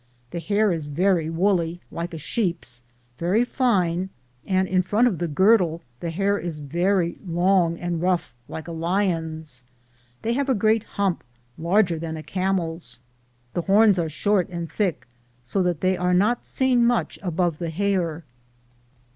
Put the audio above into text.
The hair is very woolly, like a sheep's, very fine, and in front of the girdle the hair is very long and rough like a lion's. They have a great hump, larger than a camel's. The horns are short and thick, so that they are not seen much above the hair.